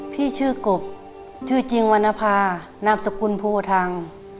พี่ชื่อกบชื่อจริงวรรณภานามสกุลโพทัง